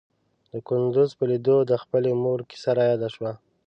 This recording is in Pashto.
د کندوز په ليدو د خپلې مور کيسه راياده شوه.